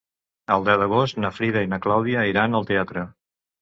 El deu d'agost na Frida i na Clàudia iran al teatre.